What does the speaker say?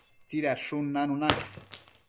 tsidadshun nanuna